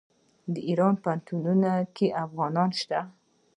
د ایران په پوهنتونونو کې افغانان شته.